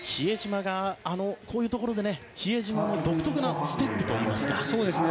こういうところで比江島の独特なステップといいますかね。